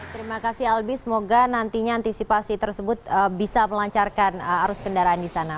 terima kasih albi semoga nantinya antisipasi tersebut bisa melancarkan arus kendaraan di sana